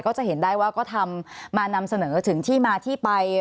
ก็จะเห็นได้ว่าก็ทำมานำเสนอถึงที่มาที่ไป